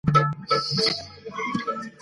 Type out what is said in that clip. نو رسول الله صلی الله عليه وسلم راته وويل.